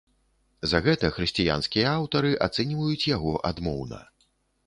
За гэта хрысціянскія аўтары ацэньваюць яго адмоўна.